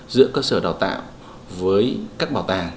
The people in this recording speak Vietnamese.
giữa cơ sở đào tạo với các bảo tàng